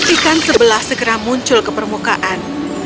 ikan sebelah segera muncul ke permukaan